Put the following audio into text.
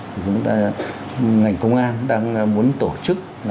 chúng ta ngành công an đang muốn tổ chức